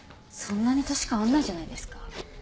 そんなに年変わんないじゃないですか。